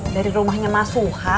dari rumahnya mas suha